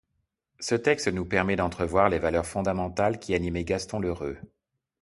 Ce texte nous permet d’entrevoir les valeurs fondamentales qui animaient Gaston L’Heureux.